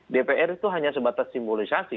dpr itu hanya sebatas simbolisasi